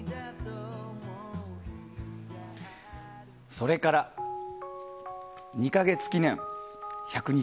それから２か月記念１００日